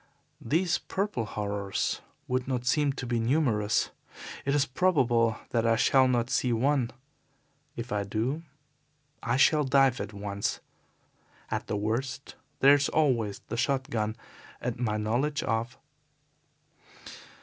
These purple horrors would not seem to be numerous. It is probable that I shall not see one. If I do I shall dive at once. At the worst there is always the shot gun and my knowledge of